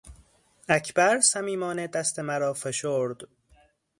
اکبر صمیمانه دست مرا فشرد.